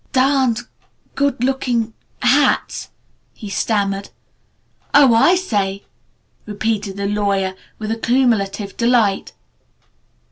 "Darned good looking hats," he stammered. "Oh, I say!" repeated the lawyer with accumulative delight.